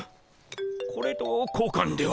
これと交換では？